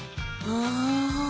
ああ。